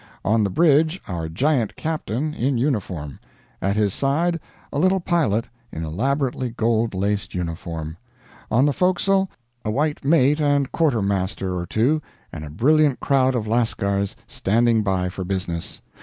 On the bridge our giant captain, in uniform; at his side a little pilot in elaborately gold laced uniform; on the forecastle a white mate and quartermaster or two, and a brilliant crowd of lascars standing by for business.